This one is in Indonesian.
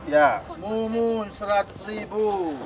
ya mumun seratus ribu